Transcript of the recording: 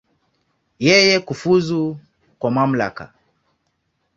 Yeye kufuzu kwa mamlaka.